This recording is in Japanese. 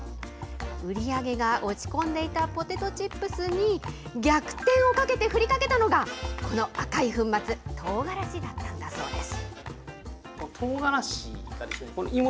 売り上げが落ち込んでいたポテトチップスに、逆転をかけて振りかけたのが、この赤い粉末、とうがらしだったんだそうです。